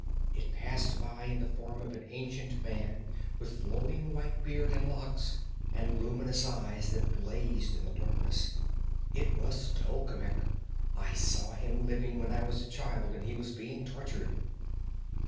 It passed by in the form of an ancient man with flowing white beard and locks, and luminous eyes that blazed in the darkness. It was Tolkemec; I saw him living when I was a child and he was being tortured."